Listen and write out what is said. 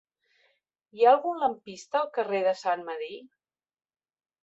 Hi ha algun lampista al carrer de Sant Medir?